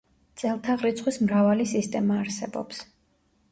წელთაღრიცხვის მრავალი სისტემა არსებობს.